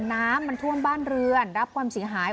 น้ำท่วมบ้านเรือนรับความเสียหาย